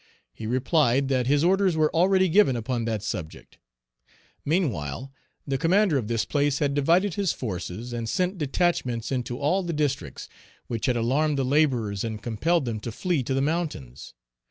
He replied, that his orders were already given upon that subject. Meanwhile, the commander of this place had divided his forces and sent detachments into all the districts, which had alarmed the laborers and compelled them to flee to the mountains.